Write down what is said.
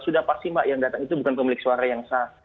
sudah pasti mbak yang datang itu bukan pemilik suara yang sah